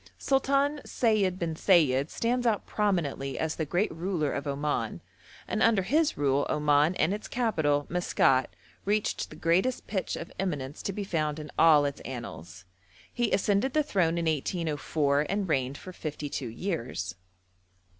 Sultan Sayid bin Sayid stands out prominently as the great ruler of Oman, and under his rule Oman and its capital, Maskat, reached the greatest pitch of eminence to be found in all its annals. He ascended the throne in 1804, and reigned for fifty two years.